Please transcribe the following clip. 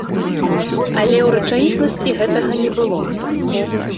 Але ў рэчаіснасці гэтага не было!